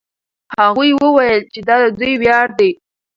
هغوی وویل چې دا د دوی ویاړ دی.